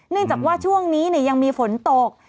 จากว่าช่วงนี้ยังมีฝนตก